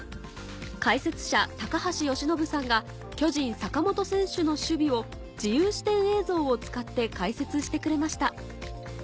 解説者高橋由伸さんが巨人・坂本選手の守備を自由視点映像を使って解説してくれました